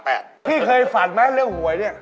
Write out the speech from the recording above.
พี่เคยฝันไหมเรื่องหวยเนี่ย